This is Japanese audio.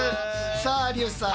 さあ有吉さん。